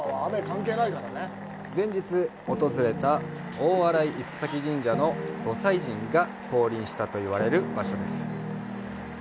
前日訪れた大洗磯前神社のご祭神が降臨したといわれる場所です。